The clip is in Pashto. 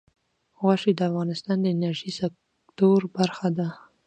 غوښې د افغانستان د انرژۍ سکتور برخه ده.